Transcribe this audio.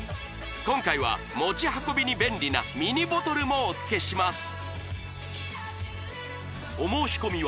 今回は持ち運びに便利なミニボトルもお付けします